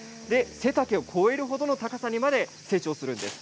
背丈を超える程の高さにまで成長するんです。